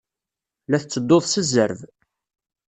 La tettedduḍ s zzerb.